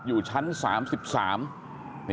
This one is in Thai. อยู่ชั้น๓๓